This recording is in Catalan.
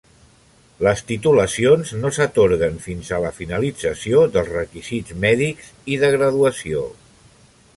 Les titulacions no s'atorguen fins a la finalització dels requisits mèdics i de graduació.